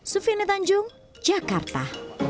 sufine tanjung jakarta